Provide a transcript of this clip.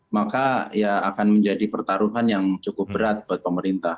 maka ya akan menjadi pertaruhan yang cukup berat buat pemerintah